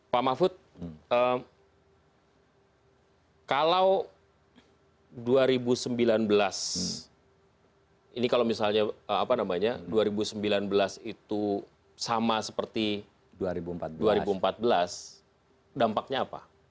pak mahfud kalau dua ribu sembilan belas ini kalau misalnya apa namanya dua ribu sembilan belas itu sama seperti dua ribu empat belas dampaknya apa